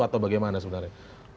atau bagaimana sebenarnya